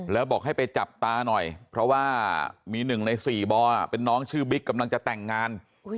แล้วบอกให้ไปจับตาหน่อยเพราะว่ามี๑ใน๔บอเป็นน้องชื่อบิ๊กกำลังจะแต่งงาน